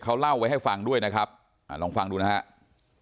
เขาเล่าไว้ให้ฟังด้วยนะครับลองฟังดูนะครับ